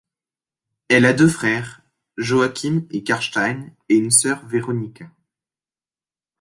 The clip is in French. Elle a deux frères, Joakim et Karstein et une sœur Veronika.